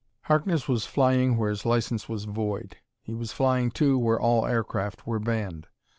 Harkness was flying where his license was void; he was flying, too, where all aircraft were banned.